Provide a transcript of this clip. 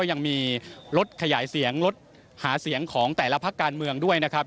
ยังมีรถขยายเสียงรถหาเสียงของแต่ละพักการเมืองด้วยนะครับ